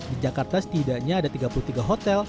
di jakarta setidaknya ada tiga puluh tiga hotel